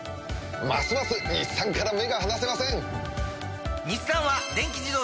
ますます日産から目が離せません！